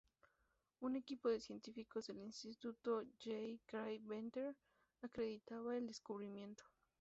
Un equipo de científicos del Instituto J. Craig Venter acreditaba el descubrimiento.